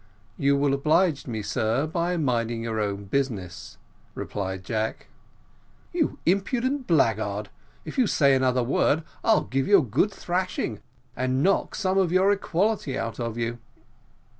"You will oblige me, sir, by minding your own business," replied Jack. "You impudent blackguard, if you say another word I'll give you a good thrashing, and knock some of your equality out of you."